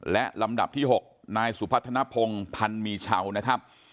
และลำดับที่๖นายสุพัฒนภงพันธ์มีเชานะครับ